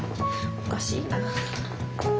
おかしいな。